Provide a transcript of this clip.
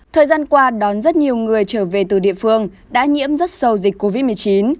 thời gian qua đón rất nhiều người trở về từ địa phương đã nhiễm rất sâu dịch covid một mươi chín